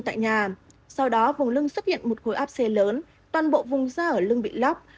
tại nhà sau đó vùng lưng xuất hiện một khối áp xe lớn toàn bộ vùng da ở lưng bị lóc